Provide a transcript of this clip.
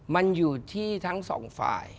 มันอยู่ที่ทั้งสองฝ่าย